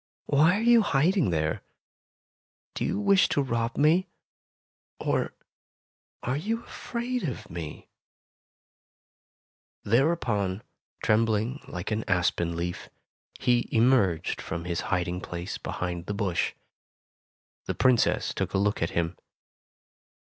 "Why are you hiding there ? Do you wish to rob me, or are you afraid of me ?'' Thereupon, trembling like an aspen leaf. Tales of Modern Germany 57 he emerged from his hiding place behind the bush. The Princess took a look at him.